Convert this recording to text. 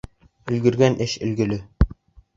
Өлгөргән эш өлгөлө.